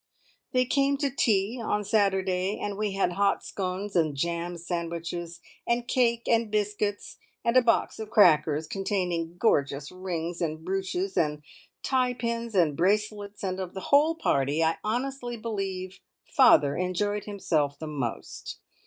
They came to tea on Saturday, and we had hot scones, and jam sandwiches, and cake, and biscuits, and a box of crackers containing gorgeous rings and brooches and tie pins and bracelets, and of the whole party I honestly believe "Father" enjoyed himself the most.